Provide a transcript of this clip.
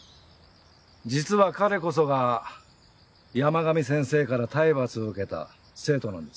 実は彼こそが山上先生から体罰を受けた生徒なんです。